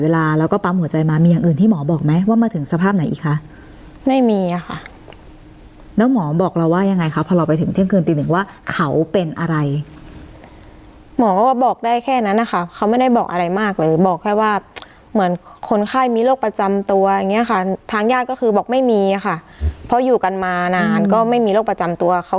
แล้วก็ปั๊มหัวใจมามีอย่างอื่นที่หมอบอกไหมว่ามาถึงสภาพไหนอีกคะไม่มีค่ะแล้วหมอบอกเราว่ายังไงคะพอเราไปถึงเที่ยงคืนตีหนึ่งว่าเขาเป็นอะไรหมอก็บอกได้แค่นั้นนะคะเขาไม่ได้บอกอะไรมากเลยบอกแค่ว่าเหมือนคนไข้มีโรคประจำตัวอย่างเงี้ค่ะทางญาติก็คือบอกไม่มีค่ะเพราะอยู่กันมานานก็ไม่มีโรคประจำตัวเขา